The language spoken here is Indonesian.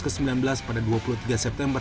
covid sembilan belas pada dua puluh tiga september